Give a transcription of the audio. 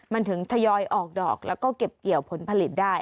มันถึงทยอยออกดอกแล้วก็เก็บเกี่ยวผลผลิตได้